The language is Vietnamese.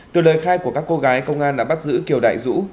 từ lời khai của các cô gái công an đã bắt giữ kiều đại dũng